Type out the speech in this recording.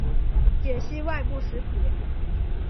解析外部实体。